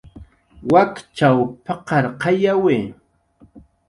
"Wakchaw p""aqarpayawi "